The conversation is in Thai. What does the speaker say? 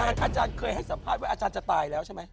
อาจารย์เคยให้สัมภาษณ์ว่าอาจารย์จะตายแล้วใช่ไหม